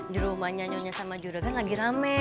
di rumahnya nyonya sama juragan lagi rame